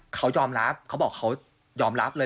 เขายอมรับเขาบอกเขายอมรับเลย